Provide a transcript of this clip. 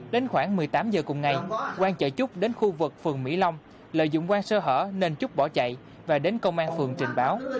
đến khoảng một mươi tám giờ cùng ngày quang chở trúc đến khu vực phường mỹ long lợi dụng quang sơ hở nên trúc bỏ chạy và đến công an phường trình báo